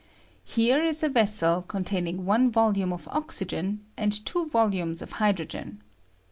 Here is a vessel containing one volume of oxygen and two volumes of hydro gen.